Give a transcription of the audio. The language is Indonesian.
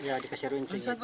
iya dikasih runcing